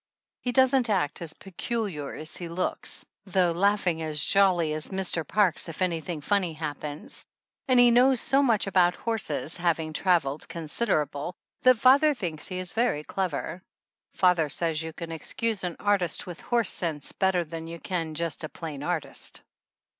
He doesn't act as peculiar as he looks, though, laughing as jolly as Mr. Parkes if anything funny happens. And he knows so much about horses, having traveled considerable, that father thinks he is very clever. Father says you can excuse an artist with horse sense better than you can just a plain artist.